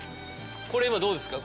これ今どうですか？